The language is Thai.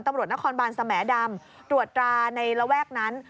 ตำรวจนครบานสแหมดำตรวจตราในระแวกนั้น